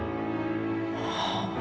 はあ。